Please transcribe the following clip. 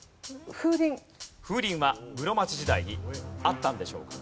風鈴は室町時代にあったんでしょうか？